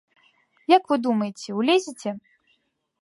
Як вы думаеце, улезеце?